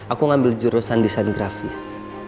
aku ngambil jurusan desain grafis